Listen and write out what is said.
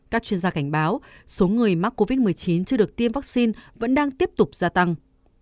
các chuyên gia cảnh báo số người mắc covid một mươi chín chưa được tiêm vaccine vẫn đang tiếp tục gia tăng